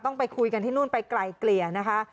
ไปคุยกันที่นู่นไปไกลเกลี่ยนะคะ